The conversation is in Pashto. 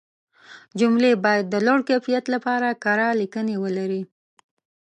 جملې باید د لوړ کیفیت لپاره کره لیکنې ولري.